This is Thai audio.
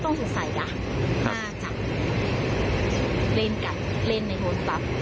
ต้องสงสัยคะถ้าจับมาเล่นในวงตรับ